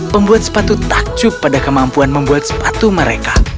pembuat sepatu takjub pada kemampuan membuat sepatu mereka